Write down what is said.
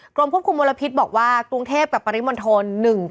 กรมควบคุมมลพิษบอกว่ากรุงเทพกับปริมณฑล